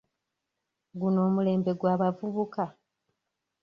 Guno omulembe gw'abavubuka.